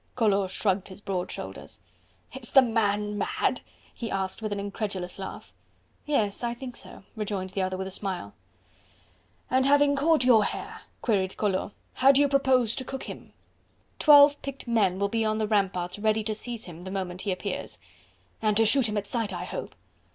Collot shrugged his broad shoulders. "Is the man mad?" he asked with an incredulous laugh. "Yes, I think so," rejoined the other with a smile. "And having caught your hare," queried Collot, "how do you propose to cook him?" "Twelve picked men will be on the ramparts ready to seize him the moment he appears." "And to shoot him at sight, I hope."